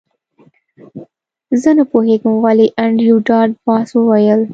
زه نه پوهیږم ولې انډریو ډاټ باس وویل